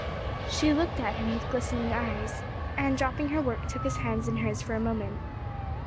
She looked at him with glistening eyes, and dropping her work took his hands in hers for a moment.